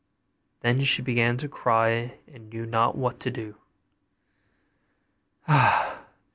Then she began to cry, and knew not what to do. 'Ah!